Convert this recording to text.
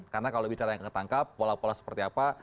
karena kalau bicara yang ketangkap pola pola seperti apa